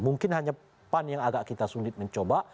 mungkin hanya pan yang agak kita sulit mencoba